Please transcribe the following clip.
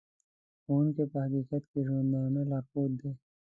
ښوونکی په حقیقت کې د ژوندانه لارښود دی.